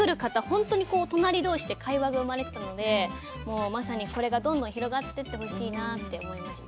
本当に隣同士で会話が生まれてたのでもうまさにこれがどんどん広がってってほしいなって思いました。